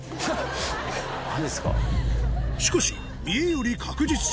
しかし見えより確実性